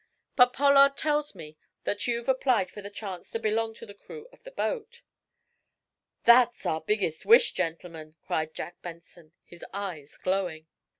But Pollard tells me that you've applied for a chance to belong to the crew of the boat." "That's our biggest wish, gentlemen!" cried Jack Benson, his eyes glowing.